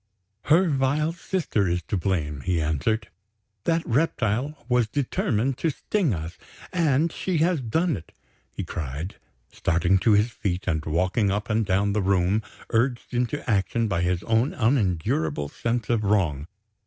"Her vile sister is to blame," he answered. "That reptile was determined to sting us. And she has done it!" he cried, starting to his feet, and walking up and down the room, urged into action by his own unendurable sense of wrong.